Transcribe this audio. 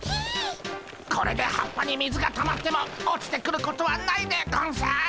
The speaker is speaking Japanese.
これで葉っぱに水がたまっても落ちてくることはないでゴンス。